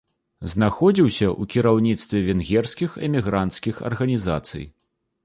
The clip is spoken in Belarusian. Знаходзіўся ў кіраўніцтве венгерскіх эмігранцкіх арганізацый.